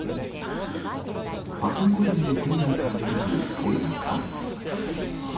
パチンコ店の店内から出てくる警察官。